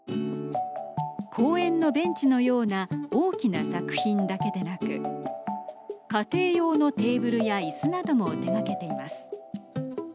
公園のベンチのような大きな作品だけでなく家庭用のテーブルやいすなども手がけています。